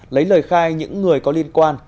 lấy lời khai những người có liên quan